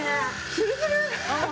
ツルツル！